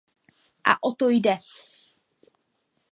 A o to jde.